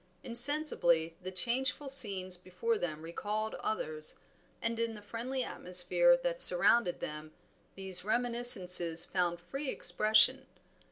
Insensibly the changeful scenes before them recalled others, and in the friendly atmosphere that surrounded them these reminiscences found free expression.